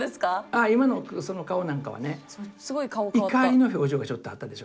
あ今のその顔なんかはね怒りの表情がちょっとあったでしょ。